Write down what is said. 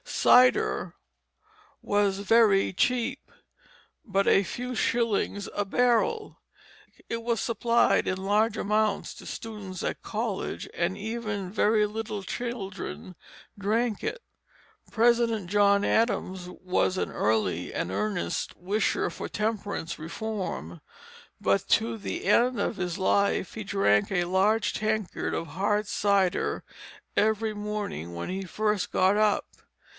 Cider was very cheap; but a few shillings a barrel. It was supplied in large amounts to students at college, and even very little children drank it. President John Adams was an early and earnest wisher for temperance reform; but to the end of his life he drank a large tankard of hard cider every morning when he first got up.